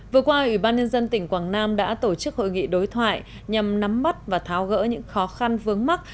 vừa qua ubnd tp hcm đã tổ chức hội nghị đối thoại nhằm nắm mắt và tháo gỡ những khó khăn vướng mắt